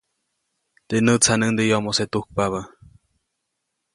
Teʼ nätsaʼnuŋde yomose tujkpabä.